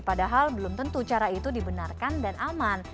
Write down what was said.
padahal belum tentu cara itu dibenarkan dan aman